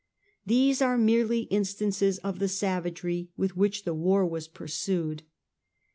These are merely instances of the savagery with which the war was pursued.